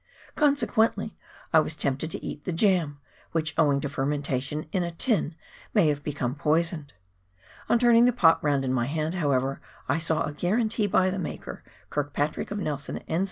Consequently I was tempted to eat the jam, which owing to fermentation in a tin may have become poisoned ; on turning the pot round in my hand, how ever, I saw a guarantee by the maker — Kirkpatrick, of Nelson, N.Z.